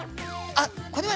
あっこれは！